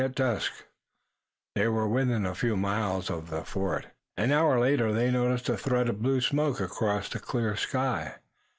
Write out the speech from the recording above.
At dusk, they were within a few miles of the fort. An hour later they noticed a thread of blue smoke across the clear sky.